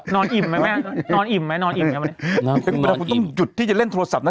นอนอิ่มไหมเม่ยนอนอิ่มไหมเราก็ต้องหยุดที่จะเล่นโทรศัพท์